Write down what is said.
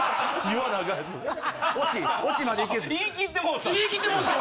言い切ってもうた。